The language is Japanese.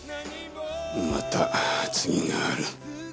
また次がある。